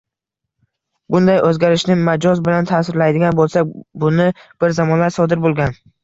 Bunday o‘zgarishni majoz bilan tasvirlaydigan bo‘lsak, buni bir zamonlar sodir bo‘lgan